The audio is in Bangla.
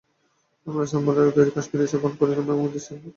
আমরা সামাভারে তৈরী কাশ্মীরী চা পান করিলাম, এবং ঐ দেশের মোরব্বা খাইলাম।